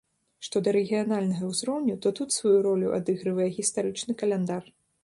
Што да рэгіянальнага ўзроўню, то тут сваю ролю адыгрывае гістарычны каляндар.